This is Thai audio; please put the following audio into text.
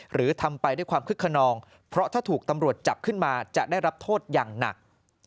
หรือทำไปด้วยความคึกขนองเพราะถ้าถูกตำรวจจับขึ้นมาจะได้รับโทษอย่างหนัก